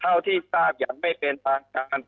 เท่าที่รบไม่เป็นต่างจัง